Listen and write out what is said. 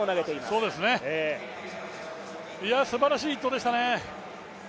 すばらしい１投でしたね。